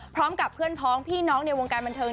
พร้อมกับเพื่อนพ้องพี่น้องในวงการบันเทิง